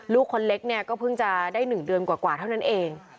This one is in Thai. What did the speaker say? ลูกคนเล็กเนี่ยก็เพิ่งจะได้๑เดือนกว่าเท่านั้นเอง